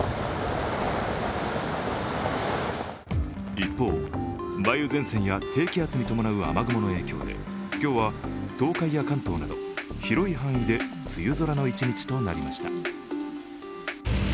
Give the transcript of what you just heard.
一方、梅雨前線や低気圧に伴う雨雲の影響で今日は東海や関東など広い範囲で梅雨空の一日となりました。